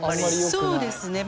そうですね。